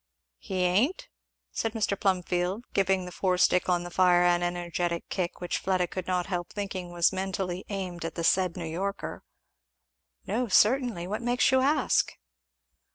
"He ain't?" said Mr. Plumfield, giving the forestick on the fire an energetic kick which Fleda could not help thinking was mentally aimed at the said New Yorker. "No certainly. What makes you ask?"